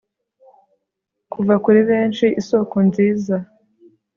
Kuva kuri benshi isokonziza